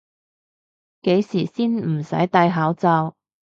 幾時先唔使戴口罩？